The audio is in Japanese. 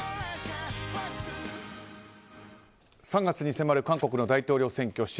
３月に迫る韓国の大統領選挙。